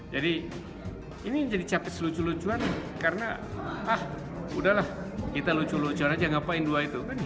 jadi ini jadi capres lucu lucuan karena ah udahlah kita lucu lucuan aja ngapain dua itu